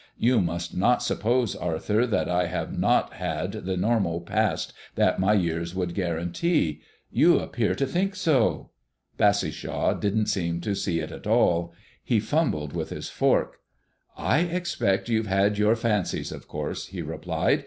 You must not suppose, Arthur, that I have not had the normal past that my years would guarantee. You appear to think so." Bassishaw didn't seem to see it at all. He fumbled with his fork. "I expect you've had your fancies, of course," he replied.